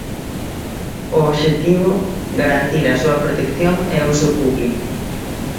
O obxectivo: garantir a súa protección e uso público.